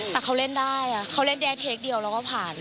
แต่เขาเล่นได้เขาเล่นได้เทคเดียวเราก็ผ่าน